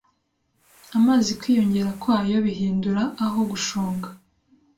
Amazi Kwiyongera kwayo bihindura aho gushonga